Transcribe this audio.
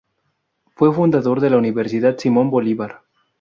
Fue fundador de la Universidad Simón Bolívar.